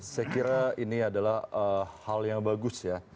saya kira ini adalah hal yang bagus ya